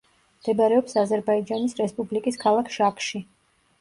მდებარეობს აზერბაიჯანის რესპუბლიკის ქალაქ შაქში.